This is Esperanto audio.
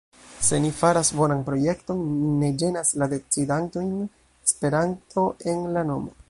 Se ni faras bonan projekton, ne ĝenas la decidantojn Esperanto en la nomo.